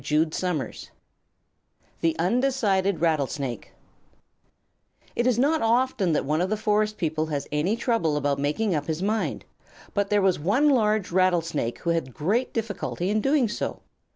THE UNDECIDED RATTLESNAKE It is not often that one of the Forest People has any trouble about making up his mind, but there was one large Rattlesnake who had great difficulty in doing so.